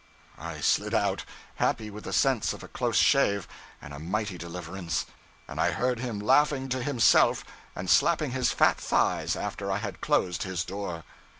I slid out, happy with the sense of a close shave and a mighty deliverance; and I heard him laughing to himself and slapping his fat thighs after I had closed his door.